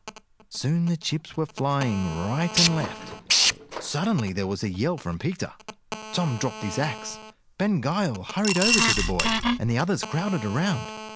Soon the chips were flying right and left. Suddenly there was a yell from Peter. Tom dropped his axe. Ben Gile hurried over to the boy, and the others crowded around.